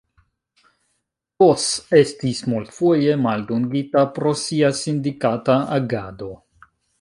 Vos estis multfoje maldungita pro sia sindikata agado.